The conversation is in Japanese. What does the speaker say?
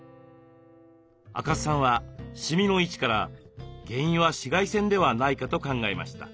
赤須さんはシミの位置から原因は紫外線ではないかと考えました。